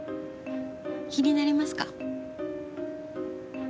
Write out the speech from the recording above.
気になりますか？